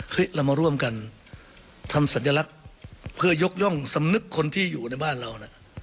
เรามาร่วมกันทำสัญลักษณ์เพื่อยกย่องสำนึกคนที่อยู่ในบ้านเราน่ะ